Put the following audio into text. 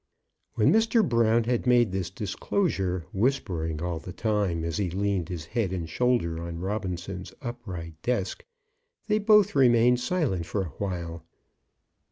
When Mr. Brown had made this disclosure, whispering all the time as he leaned his head and shoulder on Robinson's upright desk, they both remained silent for a while.